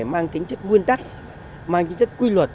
mang tính chất nguyên tắc mang tính chất quy luật